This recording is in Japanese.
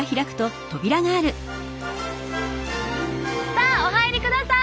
さあお入りください！